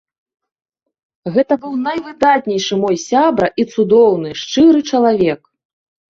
Гэта быў найвыдатнейшы мой сябра і цудоўны, шчыры чалавек.